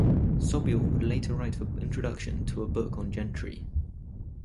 Sobule would later write the introduction to a book on Gentry.